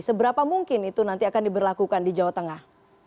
seberapa mungkin itu nanti akan diberlakukan di jawa tengah